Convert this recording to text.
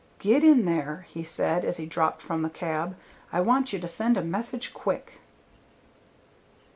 "Get in there," he said as he dropped from the cab. "I want you to send a message quick."